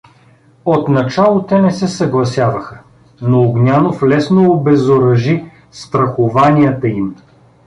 Отначало те не се съгласяваха, но Огнянов лесно обезоръжи страхуванията им.